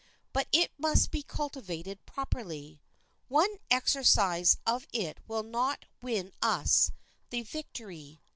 But it must be cultivated properly. One exercise of it will not win us the victory.